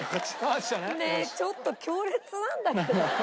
ねえちょっと強烈なんだけど。